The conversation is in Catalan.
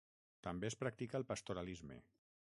També es practica el pastoralisme.